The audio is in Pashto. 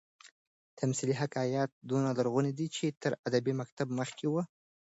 تمثيلي حکایت دونه لرغونى دئ، چي تر ادبي مکتب مخکي وو.